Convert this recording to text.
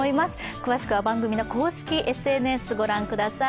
詳しくは番組公式ＳＮＳをご覧ください。